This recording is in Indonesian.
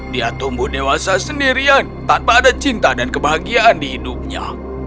dia tumbuh dewasa sendirian tanpa ada cinta dan kebahagiaan di hidupnya